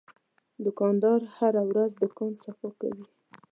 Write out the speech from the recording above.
دوکاندار هره ورځ دوکان صفا کوي.